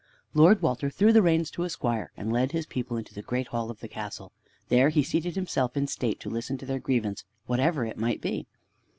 Lord Walter threw the reins to a squire, and led his people into the great hall of the castle. There he seated himself in state to listen to their grievance whatever it might be.